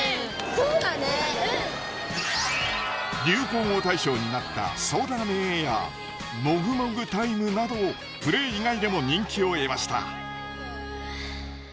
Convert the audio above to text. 流行語大賞になった「そだねー」や「もぐもぐタイム」などプレー以外でも人気を得ました。